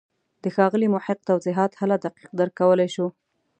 د ښاغلي محق توضیحات هله دقیق درک کولای شو.